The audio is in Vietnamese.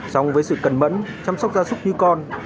xong với sự cẩn mẫn chăm sóc gia súc như con